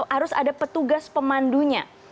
harus ada petugas pemandunya